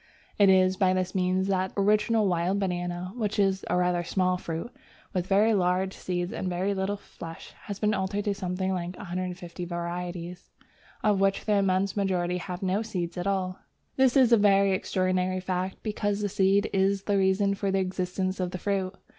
It is by this means that the original wild banana, which is a rather small fruit with very large seeds and very little flesh, has been altered into something like 150 varieties, of which the immense majority have no seed at all. This is a very extraordinary fact, because the seed is the reason for the existence of the fruit.